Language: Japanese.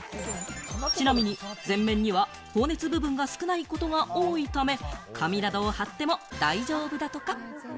ちなみに前面には放熱部分が少ないことが多いため、紙などを張っても大丈夫だとか。